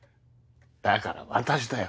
だから私だよ